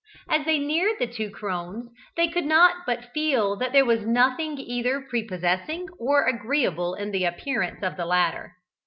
As they neared the two crones, they could not but feel that there was nothing either prepossessing or agreeable in the appearance of the latter.